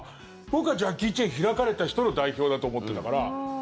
僕はジャッキー・チェン開かれた人の代表だと思ってたから。